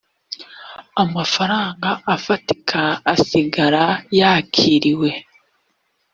amafaranga afatika asigara yakiriwe